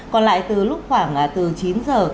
còn lại từ lúc khoảng từ chín giờ